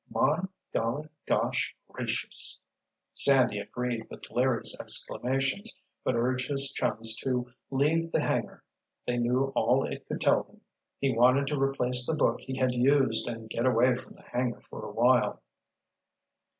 "My—golly—gosh—gracious——" Sandy agreed with Larry's exclamations but urged his chums to leave the hangar: they knew all it could tell them. He wanted to replace the book he had used and get away from the hangar for awhile.